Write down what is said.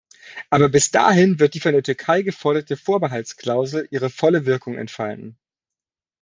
Aber bis dahin wird die von der Türkei geforderte Vorbehaltsklausel ihre volle Wirkung entfalten.